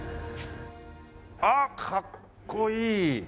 あっかっこいい！